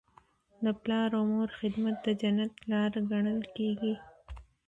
د پلار او مور خدمت د جنت لاره ګڼل کیږي.